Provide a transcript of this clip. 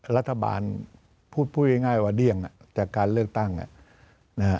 รัฐบาลพูดง่ายว่าเดี้ยงจากการเลือกตั้งนะฮะ